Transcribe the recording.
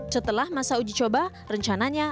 setelah masa uji coba